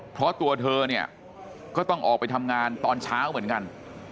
เพราะตัวเธอเนี่ยก็ต้องออกไปทำงานตอนเช้าเหมือนกัน